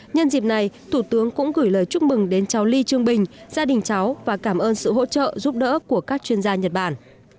nhân dịp này thủ tướng cũng gửi lời chúc mừng đến cháu ly trương bình gia đình cháu và cảm ơn sự hỗ trợ giúp đỡ của các chuyên gia nhật bản